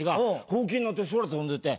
ほうきに乗って空飛んでて。